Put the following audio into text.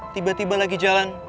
tiba tiba lagi jalan